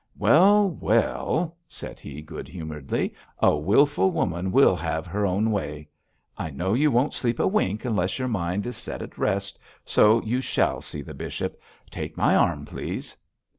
'Well! well!' said he, good humouredly, 'a wilful woman will have her own way. I know you won't sleep a wink unless your mind is set at rest, so you shall see the bishop. Take my arm, please.'